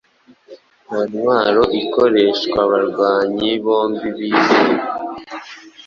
Nta ntwaro ikoreshwaabarwanyi bombi bizeye